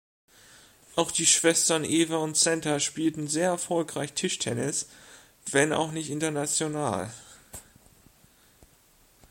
Auch die Schwestern Eva und Senta spielten sehr erfolgreich Tischtennis, wenn auch nicht international.